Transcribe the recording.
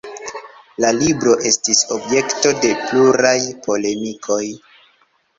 La libro estis objekto de pluraj polemikoj.